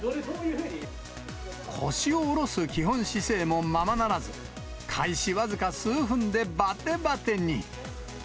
腰を下ろす基本姿勢もままならず、開始僅か数分でバテバテに。